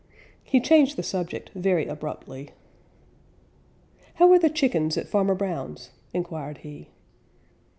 He changed the subject very abruptly. "How are the chickens at Farmer Brown's?" inquired he.